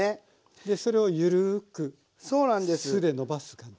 それをゆるく酢でのばす感じ。